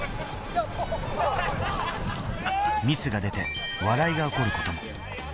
ミスが出て、笑いが起こることも。